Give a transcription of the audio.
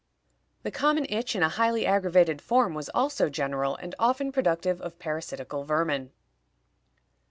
The common itch in a highly aggravated form was also general, and often productive of parasitical vermin.